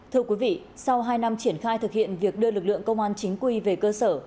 thưa quý vị sau hai năm triển khai thực hiện việc đưa lực lượng công an chính quy về cơ sở